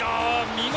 見事。